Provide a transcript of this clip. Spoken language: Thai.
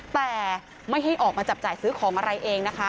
แต่ไม่ให้ออกมาจับจ่ายซื้อของอะไรเองนะคะ